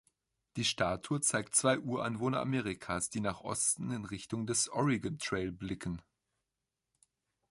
Die Statue zeigt zwei Ureinwohner Amerikas, die nach Osten in Richtung des Oregon Trail blicken.